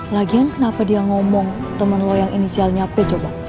lagian kenapa dia ngomong temen lo yang inisialnya pejo bang